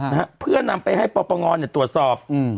ฮะเพื่อนนำไปให้ปอประงอนเนี่ยตรวจสอบอืม